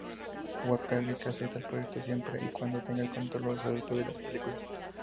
Whale acepta el proyecto siempre y cuando tenga el control absoluto de las películas.